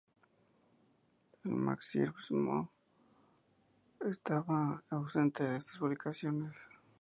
El marxismo estaba ausente de estas publicaciones.